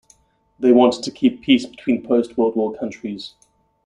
They wanted to keep peace between post-world war countries.